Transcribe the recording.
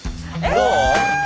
どう？